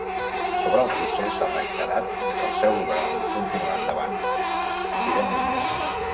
Sobre el procés, ha reiterat que el seu govern continuarà endavant: Tirem milles.